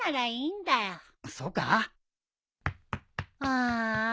ああ。